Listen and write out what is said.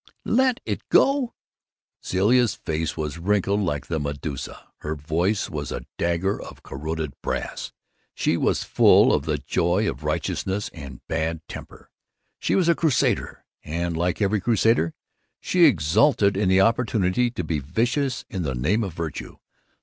"Let it go?" Zilla's face was wrinkled like the Medusa, her voice was a dagger of corroded brass. She was full of the joy of righteousness and bad temper. She was a crusader and, like every crusader, she exulted in the opportunity to be vicious in the name of virtue.